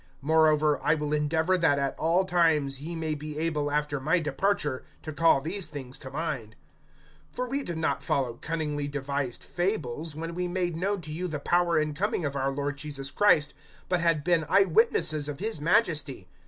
(15)Moreover I will endeavor that at all times ye may be able after my departure to call these things to mind. (16)For we did not follow cunningly devised fables, when we made known to you the power and coming of our Lord Jesus Christ, but had been eye witnesses of his majesty.